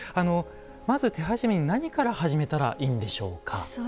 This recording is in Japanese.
まず手始めに何から始めたらいいんでしょうか？